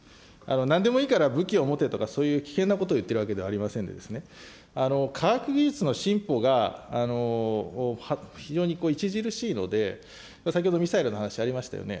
なんでもいいから武器を持てとか、そういう危険なことを言っているわけではありませんでですね、科学技術の進歩が非常に著しいので、先ほどミサイルの話ありましたよね。